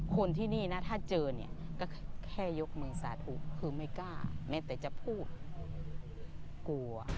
คนที่นี่นะถ้าเจอเนี่ยก็แค่ยกมือสาธุคือไม่กล้าแม้แต่จะพูดกลัว